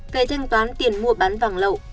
về thanh toán tiền mua bán vàng lậu